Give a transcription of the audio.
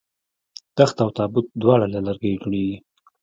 تخت او تابوت دواړه له لرګیو جوړیږي